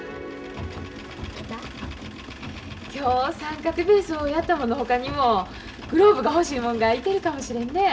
今日三角ベースをやったもんのほかにもグローブが欲しいもんがいてるかもしれんね。